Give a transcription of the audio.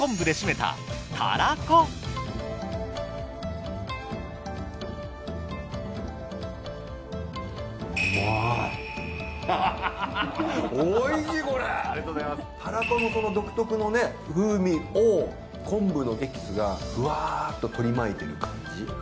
たらこの独特の風味を昆布のエキスがフワーッと取り巻いてる感じ。